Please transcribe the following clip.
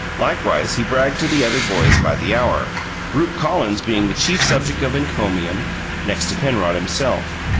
Likewise he bragged to the other boys by the hour, Rupe Collins being the chief subject of encomium next to Penrod himself.